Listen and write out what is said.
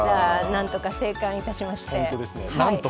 何とか生還いたしまして。